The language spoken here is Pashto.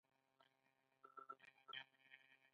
سخت شی ژر ماتیږي.